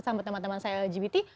sama teman teman saya lgbt